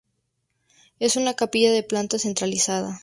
Es una capilla de planta centralizada.